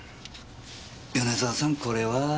米沢さんこれは？